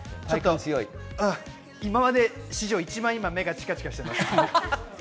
今まで史上、一番目がチカチカしています。